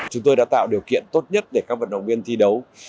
chúng tôi đã tạo điều kiện tốt nhất để các vận động viên thi đấu